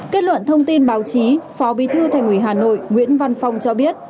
kết luận thông tin báo chí phó bí thư thành ủy hà nội nguyễn văn phong cho biết